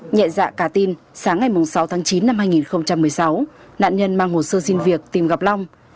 nhẹ dạ cả tin sáng ngày sáu tháng chín năm hai nghìn một mươi sáu nạn nhân mang hồ sơ xin việc tìm gặp long